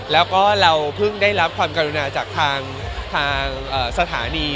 แล้วก็เราเพิ่งได้รับความกรุณาจากทางสถานี